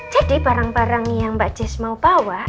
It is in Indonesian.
jadi barang barang yang mbak jess mau bawa